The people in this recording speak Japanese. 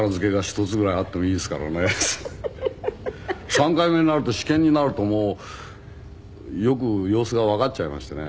３回目になると試験になるとよく様子がわかっちゃいましてね。